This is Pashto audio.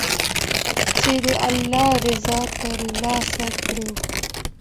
چې د الله رضا تر لاسه کړو.